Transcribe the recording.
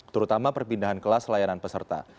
terutama perpindahan kelas layanan peserta